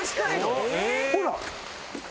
ほら。